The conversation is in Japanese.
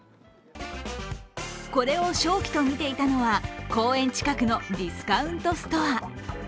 これを商機とみていたのは公園近くのディスカウントストア。